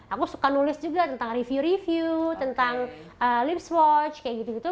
aku suka nulis juga tentang review review tentang lips watch kayak gitu gitu